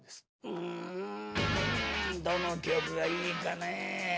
うんどの記憶がいいかねえ。